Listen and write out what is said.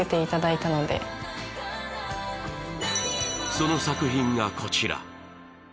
その作品がこちら